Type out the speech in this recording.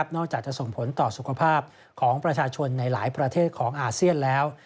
อกจากจะส่งผลต่อสุขภาพของประชาชนในหลายประเทศของอาเซียนแล้ว